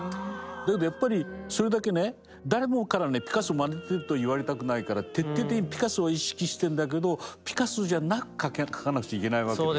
だけどやっぱりそれだけね誰もからピカソをまねてると言われたくないから徹底的にピカソを意識してるんだけどピカソじゃなく描かなくちゃいけないわけでそれが難しい。